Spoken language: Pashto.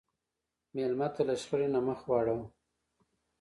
مېلمه ته له شخړې نه مخ واړوه.